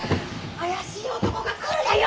怪しい男が来るだよ！